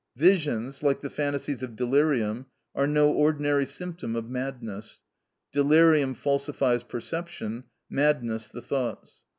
Visions, like the phantasies of delirium, are no ordinary symptom of madness: delirium falsifies perception, madness the thoughts.